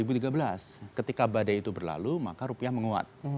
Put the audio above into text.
kita lihat apa yang terjadi dua ribu tiga belas ketika badai itu berlalu maka rupiah menguat